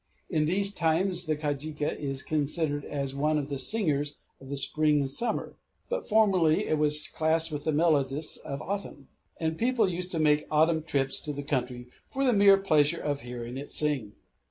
In these times the kajika is considered as one of the singers of spring and summer; but formerly it was classed with the melodists of autumn; and people used to make autumn trips to the country for the mere pleasure of hearing it sing.